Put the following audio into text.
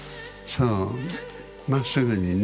そうまっすぐにね。